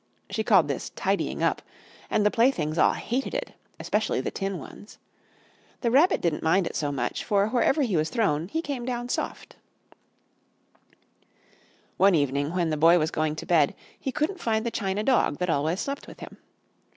She called this "tidying up," and the playthings all hated it, especially the tin ones. The Rabbit didn't mind it so much, for wherever he was thrown he came down soft. One evening, when the Boy was going to bed, he couldn't find the china dog that always slept with him.